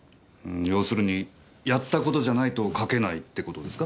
要するにやった事じゃないと書けないって事ですか？